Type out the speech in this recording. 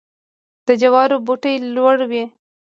د جوارو بوټی لوړ وي.